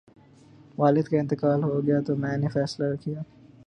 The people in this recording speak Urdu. والد کا انتقال ہو گیا تو میں نے فیصلہ کیا